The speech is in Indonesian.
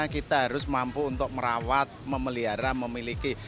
kita harus mampu untuk merawat memelihara memiliki